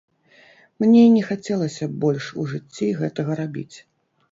Мне не хацелася б больш у жыцці гэтага рабіць.